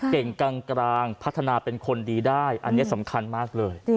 เก่งกลางพัฒนาเป็นคนดีได้อันนี้สำคัญมากเลย